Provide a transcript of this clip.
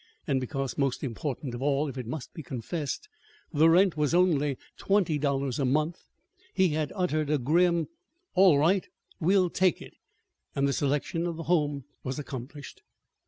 and because, most important of all, if it must be confessed, the rent was only twenty dollars a month, he had uttered a grim "All right, we'll take it." And the selection of the home was accomplished.